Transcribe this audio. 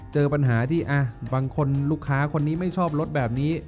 เจอปัญหาที่บางคนลูกค้าคนนี้ไม่ชอบรถแบบนี้